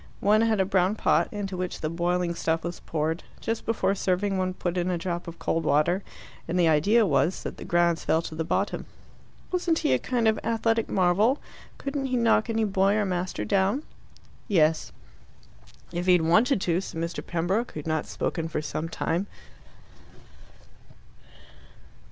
One had a brown pot, into which the boiling stuff was poured. Just before serving one put in a drop of cold water, and the idea was that the grounds fell to the bottom. "Wasn't he a kind of athletic marvel? Couldn't he knock any boy or master down?" "Yes." "If he had wanted to," said Mr. Pembroke, who had not spoken for some time.